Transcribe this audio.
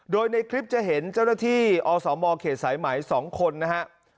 โดยในคลิปจะเห็นเจ้าหน้าที่อสมเขตสายไหม๒คนนะครับ